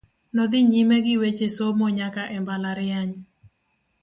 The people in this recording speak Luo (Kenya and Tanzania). Nodhi nyime gi weche somo nyaka e mbalariany.